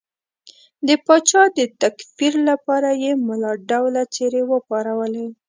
د پاچا د تکفیر لپاره یې ملا ډوله څېرې وپارولې.